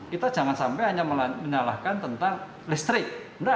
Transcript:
kita jangan sampai hanya menyalahkan tentang listrik